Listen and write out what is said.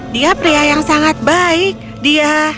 dia pria yang sangat baik dia